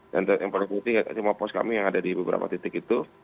dan yang perlu diketikkan semua pos kami yang ada di beberapa titik itu